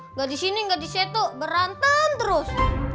nggak di sini nggak di situ berantem terus